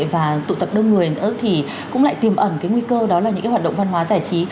và tụ tập đông người nữa thì cũng lại tiềm ẩn cái nguy cơ đó là những cái hoạt động văn hóa giải trí